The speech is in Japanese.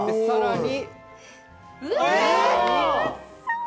さらに。